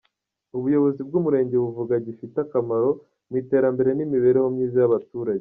Ubuyobozi bw’umurenge buvuga gifite akamaro mu iterambere n’imibereho myiza y’abaturage.